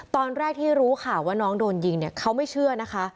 ตอนแรกที่รู้ข่าวว่าน้องโดนยิงเนี่ยเขาไม่เชื่อนะคะ